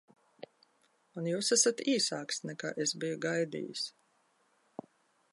Un jūs esat īsāks, nekā es biju gaidījis.